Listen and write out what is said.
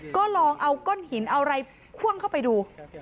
ก็ลองเอาก้อนหินเอาอะไรคว่างเข้าไปดู